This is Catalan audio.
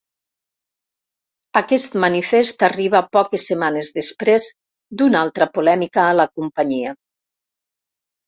Aquest manifest arriba poques setmanes després d’una altra polèmica a la companyia.